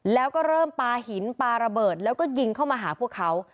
แล้วก็เริ่มปลาหินปลาระเบิดแล้วก็ยิงเข้ามาหาพวกเขา